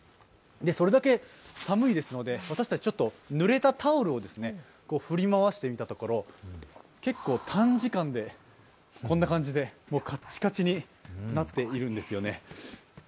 それだけ寒いですので私たち、ぬれたタオルを振り回してみたところ結構短時間でこんな感じでカッチカチになっているんですよね。